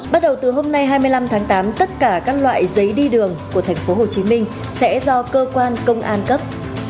bắt đầu từ hôm nay hai mươi năm tháng tám tất cả các loại giấy đi đường của tp hcm sẽ do cơ quan công an cấp